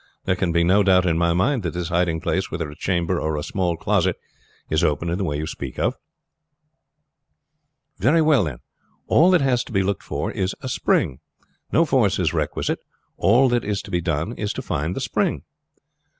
There can be no doubt in my mind that this hiding place, whether a chamber or a small closet, is opened in the way you speak of." "Very well then; all that has to be looked for is a spring. No force is requisite; all that is to be done is to find the spring."